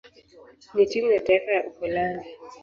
na timu ya taifa ya Uholanzi.